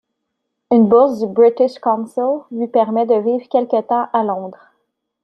Une bourse du British Council lui permet de vivre quelque temps à Londres.